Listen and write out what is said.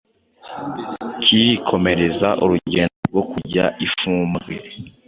Kirikomereza urugendo rwokujya ifumbwe